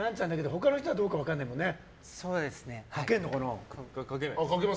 他の人はどうか分からないもんね。